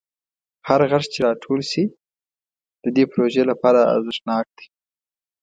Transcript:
هر غږ چې راټول شي د دې پروژې لپاره ارزښتناک دی.